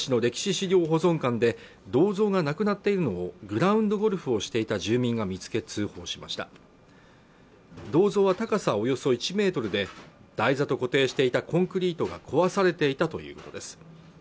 資料保存館で銅像がなくなっているのをグラウンドゴルフをしていた住民が見つけ通報しました銅像は高さおよそ１メートルで台座と固定していたコンクリートが壊されていたということです